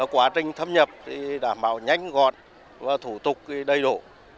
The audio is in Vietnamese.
quá trình thâm nhập đảm bảo nhanh gọn và thủ tục đầy đủ